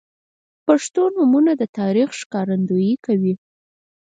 • پښتو نومونه د تاریخ ښکارندویي کوي.